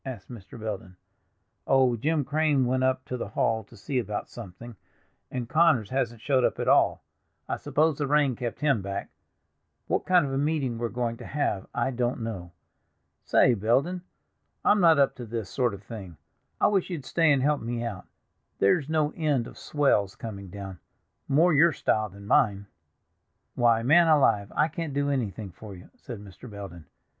asked Mr. Belden. "Oh, Jim Crane went up to the hall to see about something, and Connors hasn't showed up at all; I suppose the rain kept him back. What kind of a meeting we're going to have I don't know. Say, Belden, I'm not up to this sort of thing. I wish you'd stay and help me out—there's no end of swells coming down, more your style than mine." "Why, man alive, I can't do anything for you," said Mr. Belden.